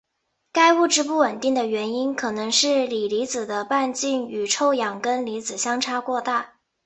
该物质不稳定的原因可能是锂离子的半径与臭氧根离子相差过大。